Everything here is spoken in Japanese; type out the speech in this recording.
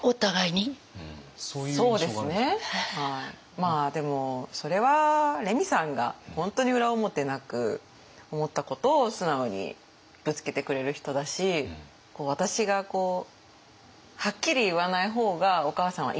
まあでもそれはレミさんが本当に裏表なく思ったことを素直にぶつけてくれる人だし私がはっきり言わない方がお義母さんはいらいらするみたいな。